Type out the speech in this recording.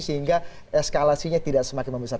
sehingga eskalasinya tidak semakin membesar